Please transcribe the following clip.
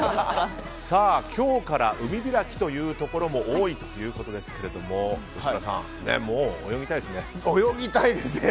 今日から海開きというところも多いということですけども吉村さん、泳ぎたいですね。